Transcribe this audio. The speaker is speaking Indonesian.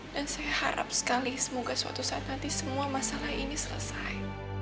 dan saya harap sekali semoga suatu saat nanti semua masalah ini selesai